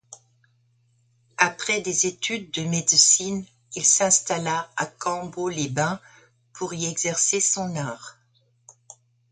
Après des études de médecine, il s'installa à Cambo-les-Bains pour y exercer son art.